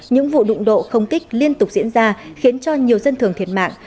những vụ đụng độ không kích liên tục diễn ra khiến cho nhiều dân thường thiệt mạng